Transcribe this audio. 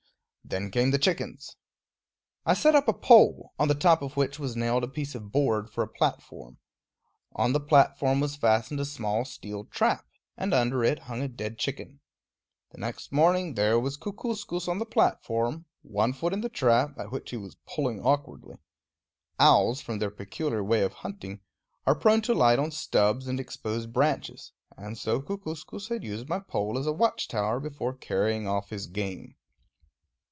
Then came the chickens. I set up a pole, on the top of which was nailed a bit of board for a platform. On the platform was fastened a small steel trap, and under it hung a dead chicken. The next morning there was Kookooskoos on the platform, one foot in the trap, at which he was pulling awkwardly. Owls, from their peculiar ways of hunting, are prone to light on stubs and exposed branches; and so Kookooskoos had used my pole as a watch tower before carrying off his game.